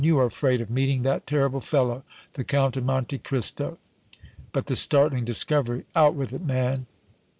"You are afraid of meeting that terrible fellow, the Count of Monte Cristo! But the startling discovery out with it, man!"